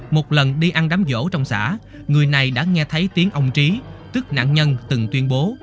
một lần đi ăn đám vỗ trong xã người này đã nghe thấy tiếng ông trí tức nạn nhân từng tuyên bố